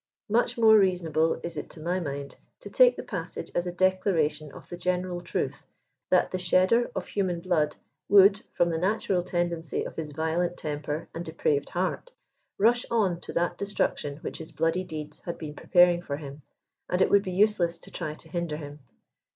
Much more reasonable is it to my mind to take the passage as a declaration of the general truth, that the shedder of human blood would, from the natural tendency of his violent temper and depraved heart, rush on to that destruction which his blopdy deeds had been preparing for him, and it would be useless to try to hinder him.